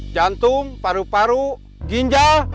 jantung paru paru ginjal